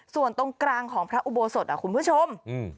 ส่วนตรงกลางของพระอุโบสถคุณผู้ชม